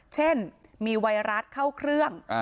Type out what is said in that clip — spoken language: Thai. เช่นมีไวรัสเข้าเครื่อง